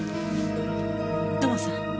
土門さん